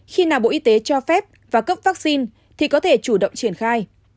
khi nào bộ y tế cho phép và cấp vaccine thì có thể chủ động triển khai